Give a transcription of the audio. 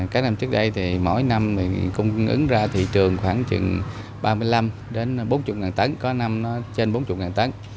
các năm trước đây thì mỗi năm cung ứng ra thị trường khoảng chừng ba mươi năm bốn mươi tấn có năm nó trên bốn mươi tấn